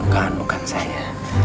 bukan bukan saya